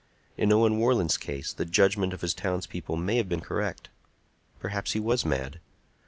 In Owen Warland's case the judgment of his towns people may have been correct. Perhaps he was mad.